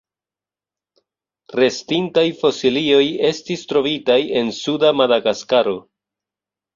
Restintaj fosilioj estis trovitaj en suda Madagaskaro.